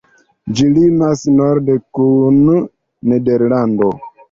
Ĝi limas norde kun Nederlando.